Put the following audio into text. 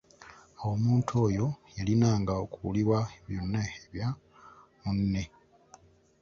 Awo omuntu oyo yalinanga okuliwa byonna ebya munne.